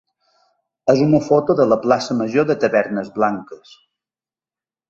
és una foto de la plaça major de Tavernes Blanques.